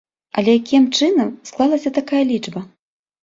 Але якім чынам склалася такая лічба?